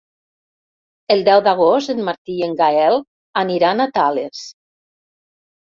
El deu d'agost en Martí i en Gaël aniran a Tales.